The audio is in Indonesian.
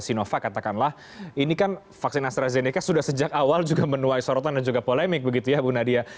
sinovac katakanlah ini kan vaksin astrazeneca sudah sejak awal juga menuai sorotan dan juga polemik begitu ya bu nadia